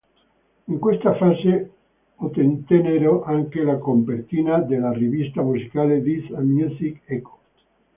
In questa fase ottennero anche la copertina della rivista musicale "Disc and Music Echo".